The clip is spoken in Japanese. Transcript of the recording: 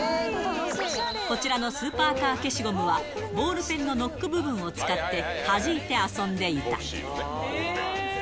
こちらのスーパーカー消しゴムは、ボールペンのノック部分を使って、はじいて遊んでいた。